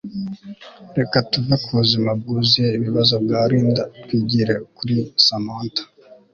Reka tuve kubuzima bwuzuye ibibazo bwa Linda twigire kuri Samantha